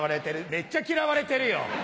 めっちゃ嫌われてるよ。